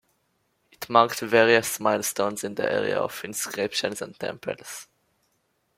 It marked various milestones in the area of inscriptions and temples.